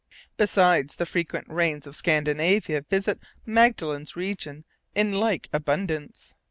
Besides, the frequent rains of Scandinavia visit Magellan's region in like abundance.